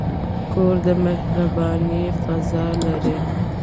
کور د مهربانۍ فضاء لري.